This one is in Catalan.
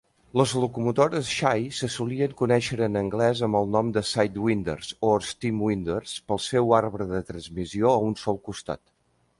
Les locomotores Shay se solien conèixer en anglès amb el nom de "sidewinders" o "stemwinders" pel seu arbre de transmissió a un sol costat.